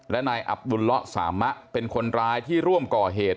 และนายอับดุลละสามะเป็นคนร้ายที่ร่วมก่อเหตุ